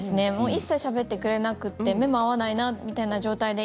一切しゃべってくれなくて目も合わないなみたいな状態で。